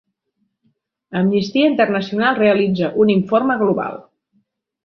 Amnistia Internacional realitza un informe global